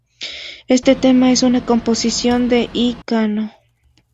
Este tema es una composición de I. Cano.